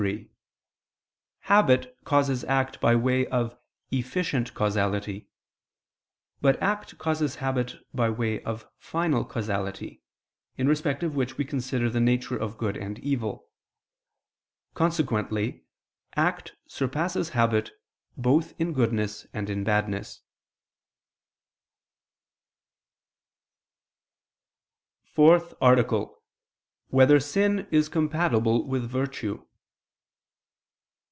3: Habit causes act by way of efficient causality: but act causes habit, by way of final causality, in respect of which we consider the nature of good and evil. Consequently act surpasses habit both in goodness and in badness. ________________________ FOURTH ARTICLE [I II, Q. 71, Art. 4] Whether Sin Is Compatible with Virtue?